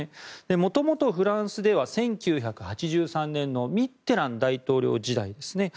元々、フランスでは１９８３年のミッテラン大統領時代ですね